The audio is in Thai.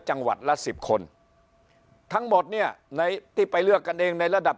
จังหวัดละ๑๐คนทั้งหมดเนี่ยในที่ไปเลือกกันเองในระดับ